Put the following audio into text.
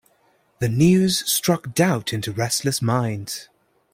The news struck doubt into restless minds.